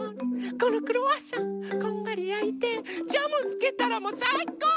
このクロワッサンこんがりやいてジャムつけたらもうさいこう！